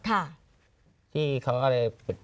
ที่เขาอะไร